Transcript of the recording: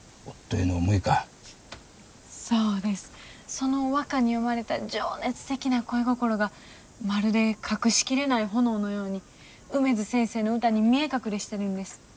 その和歌に詠まれた情熱的な恋心がまるで隠しきれない炎のように梅津先生の歌に見え隠れしてるんです。